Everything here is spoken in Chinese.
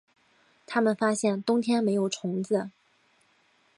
他们发现冬天没有虫子